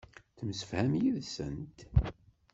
Temsefham yid-sent.